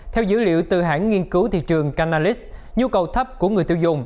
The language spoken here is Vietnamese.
theo dữ liệu từ hãng nghiên cứu thị trường canalis nhu cầu thấp của người tiêu dùng